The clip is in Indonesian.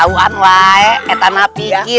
ini buat kalian sir